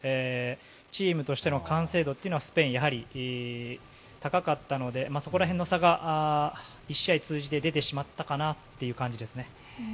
チームとしての完成度というのはスペイン、やはり高かったのでそこら辺の差が１試合を通じて出てしまったかなという感じですね。